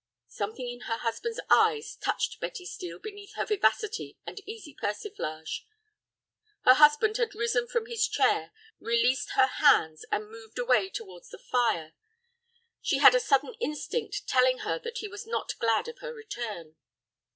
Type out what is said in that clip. Something in her husband's eyes touched Betty Steel beneath her vivacity and easy persiflage. Her husband had risen from his chair, released her hands, and moved away towards the fire. She had a sudden instinct telling her that he was not glad of her return.